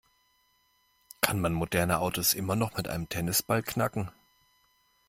Kann man moderne Autos immer noch mit einem Tennisball knacken?